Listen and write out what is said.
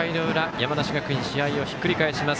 山梨学院、試合をひっくり返します。